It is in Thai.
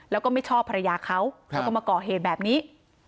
แล้วก็ไม่ชอบภรรยาเขาแล้วก็มาก่อเหตุแบบนี้